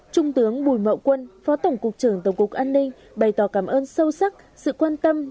trung tướng bùi mậu quân phó tổng cục trưởng tổng cục an ninh bày tỏ cảm ơn sâu sắc sự quan tâm